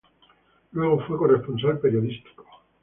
Luego fue corresponsal periodístico.